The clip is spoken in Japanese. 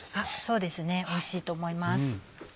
そうですねおいしいと思います。